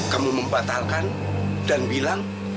kamu membatalkan dan bilang